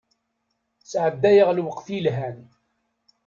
Sɛeddayeɣ lweqt yelhan.